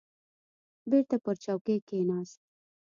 بېرته پر چوکۍ کښېناست.